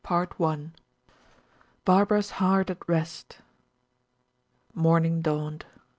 CHAPTER XXX. BARBARA'S HEART AT REST. Morning dawned.